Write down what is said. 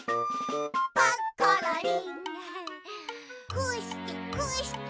「こうしてこうして」